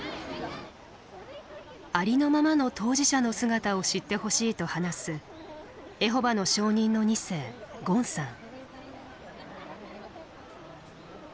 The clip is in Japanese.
ありのままの当事者の姿を知ってほしいと話すエホバの証人の２世ゴンさん。